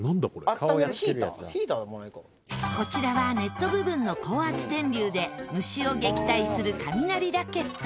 こちらはネット部分の高圧電流で虫を撃退する蚊ミナリラケット。